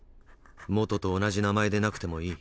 もとと同じ名前でなくてもいい。